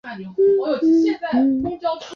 做出对自己有利的决定